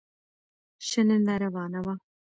شننه روانه وه.